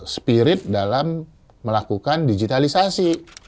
spirit dalam melakukan digitalisasi